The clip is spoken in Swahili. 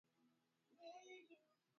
Kupumua kwa shida